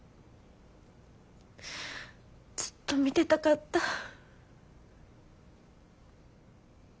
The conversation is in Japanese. ずっと見てたかった。